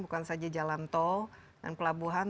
bukan saja jalan tol dan pelabuhan